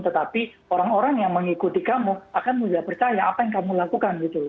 tetapi orang orang yang mengikuti kamu akan mudah percaya apa yang kamu lakukan gitu